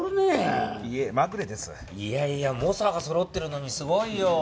いやいや猛者がそろってるのにすごいよ。